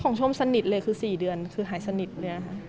ชมสนิทเลยคือ๔เดือนคือหายสนิทเลยค่ะ